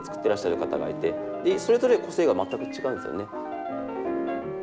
てらっしゃる方がいてそれぞれ個性が全く違うんですよね。